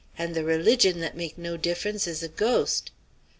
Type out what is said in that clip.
and the religion that make' no difference is a ghost!